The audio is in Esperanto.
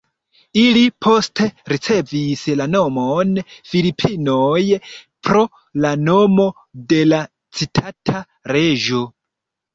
Ili poste ricevis la nomon Filipinoj pro la nomo de la citita reĝo.